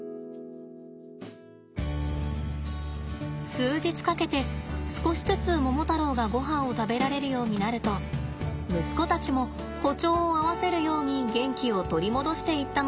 数日かけて少しずつモモタロウがごはんを食べられるようになると息子たちも歩調を合わせるように元気を取り戻していったのだそうで。